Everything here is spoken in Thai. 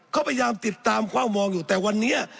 เขาพยายามติดตามความมองอยู่แต่วันนี้